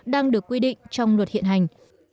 đang được quy định trong luật hiện hành